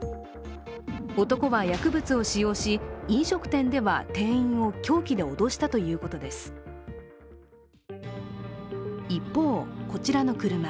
男は薬物を使用し飲食店では店員を凶器で脅したということです一方、こちらの車。